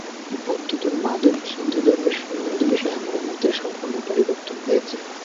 বৌদ্ধধর্ম ও আধুনিক হিন্দুধর্মের সম্বন্ধ-বিষয়ে আমার মতের সম্পূর্ণ পরিবর্তন হয়েছে।